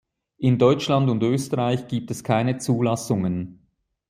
In Deutschland und Österreich gibt es keine Zulassungen.